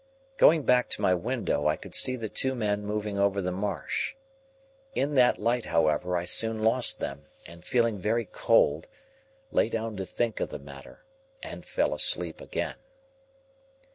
Going back to my window, I could see the two men moving over the marsh. In that light, however, I soon lost them, and, feeling very cold, lay down to think of the matter, and fell asleep again.